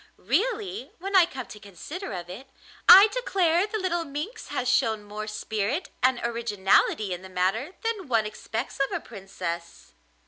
Really, when I come to consider of it, I declare the little minx has shown more spirit and originality in the matter than one expects of a princess.